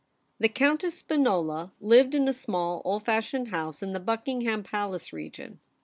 HE Countess Spinola lived in a small old fashioned house in the Buckingham Palace region.